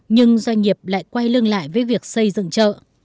nhưng doanh nghiệp lại quay lưng lại với việc xây dựng chợ